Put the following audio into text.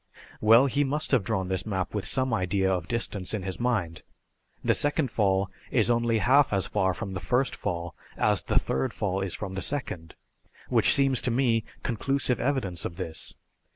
Well, he must have drawn this map with some idea of distance in his mind. The second fall is only half as far from the first fall as the third fall is from the second, which seems to me conclusive evidence of this.